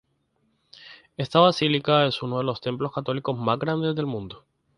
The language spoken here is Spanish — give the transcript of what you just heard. Esta basílica es uno de los templos católicos más grandes del mundo.